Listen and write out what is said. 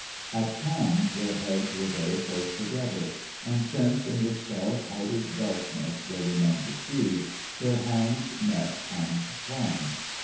At times their heads were very close together, and, since in the star powdered darkness there were none to see, their hands met and clung.